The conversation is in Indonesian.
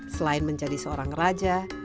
selain menjadi seorang raja